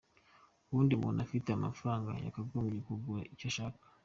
Ubundi umuntu ufite amafaranga yakagombye kugura icyo ashaka.